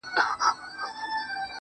غریبه څېره، غمجن وجود